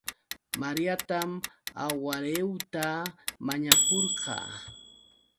Mariatam awhariieuta mañakurqaa